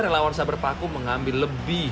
relawan sahabat paku mengambil lebih